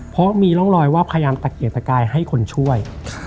เพราะมีร่องรอยว่าพยายามตะเกียกตะกายให้คนช่วย